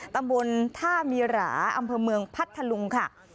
ตำบลท่ามีหราอำเภอเมืองพัทธลุงค่ะ